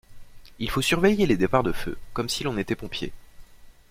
Il faut surveiller les départs de feu, comme si l’on était pompier.